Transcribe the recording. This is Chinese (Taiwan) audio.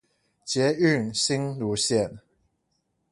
捷運新蘆線